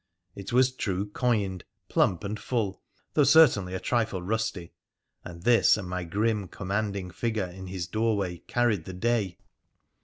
It was true coined, plump, and full, though certainly a trifle rusty ; and this and my grim, commanding figure in his doorway carried the day.